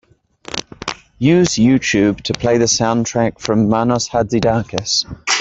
Use Youtube to play the soundtrack from Manos Hadzidakis.